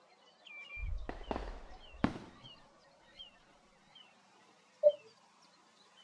En primavera se torna rojiza.